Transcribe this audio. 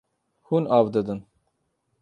Hûn av didin.